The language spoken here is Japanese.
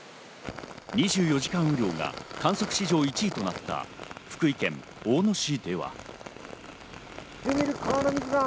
２４時間雨量が観測史上１位となった福井県大野市では。